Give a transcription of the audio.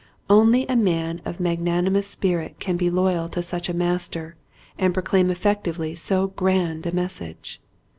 Only a man of mag nanimous spirit can be loyal to such a mas ter and proclaim effectively so grand a message.